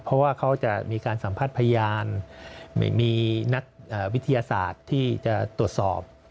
เพราะว่าเขาจะมีการสัมภาษณ์พยานไม่มีนักวิทยาศาสตร์ที่จะตรวจสอบ